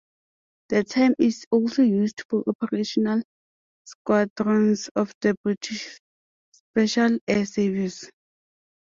The term is also used for operational squadrons of the British Special Air Service.